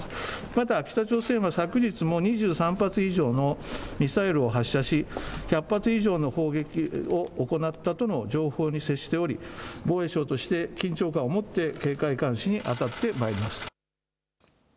また北朝鮮は昨日も２３発以上のミサイルを発射し、１００発以上の砲撃を行ったとの情報に接しており、防衛省として緊張感を持って警戒・監視に当たってまいります。